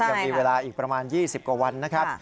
ยังมีเวลาอีกประมาณ๒๐กว่าวันนะครับ